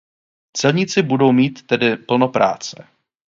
Celníci budou mít tedy plno práce.